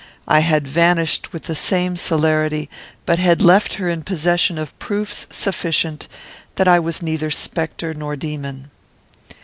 I had vanished with the same celerity, but had left her in possession of proofs sufficient that I was neither spectre nor demon.